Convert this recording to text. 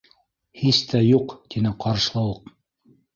—Һис тә юҡ! —тине Ҡарышлауыҡ.